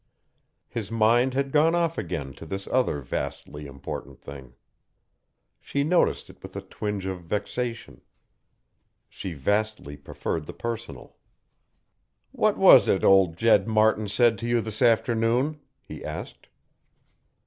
His mind had gone off again to this other vastly important thing. She noticed it with a twinge of vexation. She vastly preferred the personal. "What was it old Jed Martin said to you this afternoon?" he asked.